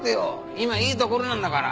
今いいところなんだから。